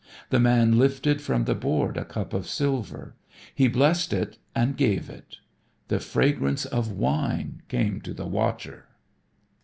The man lifted from the board a cup of silver. He blessed it and gave it. The fragrance of wine came to the watcher.